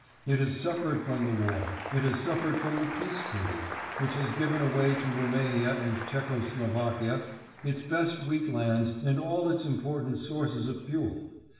It has suffered from the war. It has suffered from the Peace Treaty, which has given away to Roumania and Czecko Slovakia its best wheat lands and all its important sources of fuel.